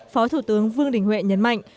phó thủ tướng vương đình huệ nhấn mạnh